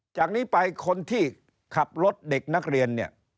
จากนี้ไปคนที่ขับรถเด็กนักเรียนเนี่ย